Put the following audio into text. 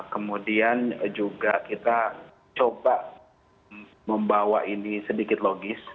kemudian juga kita coba membawa ini sedikit logis